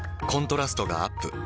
コントラストがアップ。